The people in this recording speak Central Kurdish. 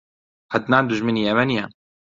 عەدنان دوژمنی ئێمە نییە.